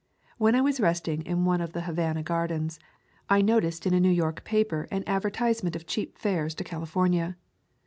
When I was resting in one of the Ha vana gardens, I noticed in a New York paper an advertisement of cheap fares to California.